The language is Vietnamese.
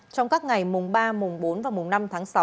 trong các ngày mùng ba mùng bốn và mùng năm tháng sáu